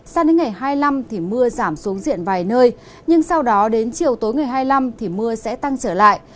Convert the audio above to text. sang đến ngày hai mươi năm thì mưa giảm xuống diện vài nơi nhưng sau đó đến chiều tối ngày hai mươi năm thì mưa sẽ tăng trở lại